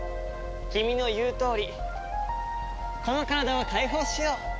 君の言うとおりこの体は解放しよう。